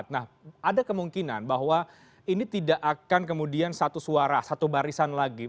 nah ada kemungkinan bahwa ini tidak akan kemudian satu suara satu barisan lagi